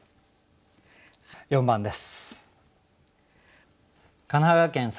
４番です。